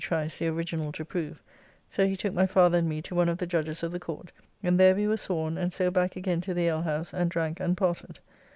Trice the original to prove, so he took my father and me to one of the judges of the Court, and there we were sworn, and so back again to the alehouse and drank and parted.